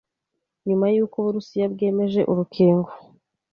Nyuma y'uko Uburusiya bwemeje urukingo